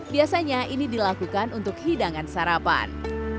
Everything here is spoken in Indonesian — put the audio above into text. biasanya ini dilakukan untuk hidangan sarapan